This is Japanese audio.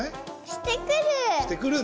してくる。